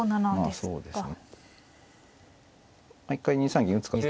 そうですね。